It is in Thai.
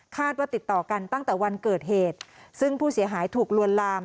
ว่าติดต่อกันตั้งแต่วันเกิดเหตุซึ่งผู้เสียหายถูกลวนลาม